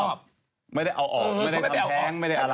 ไม่ได้เอาออกไม่ได้เอาออกไม่ได้ทำแท้งไม่ได้อะไร